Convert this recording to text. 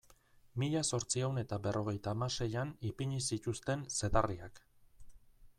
Mila zortziehun eta berrogeita hamaseian ipini zituzten zedarriak.